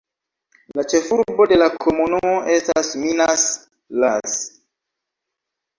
La ĉefurbo de la komunumo estas Minas, las.